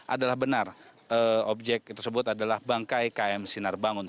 adalah benar objek tersebut adalah bangkai km sinar bangun